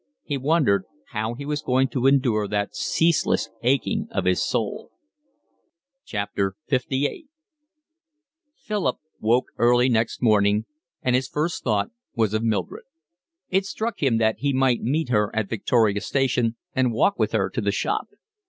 He wondered how he was going to endure that ceaseless aching of his soul. LVIII Philip woke early next morning, and his first thought was of Mildred. It struck him that he might meet her at Victoria Station and walk with her to the shop.